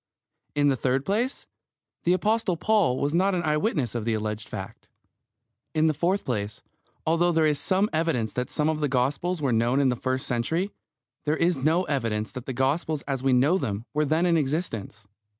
In the third place, the Apostle Paul was not an eye witness of the alleged fact. In the fourth place, although there is some evidence that some Gospels were known in the first century, there is no evidence that the Gospels as we know them were then in existence.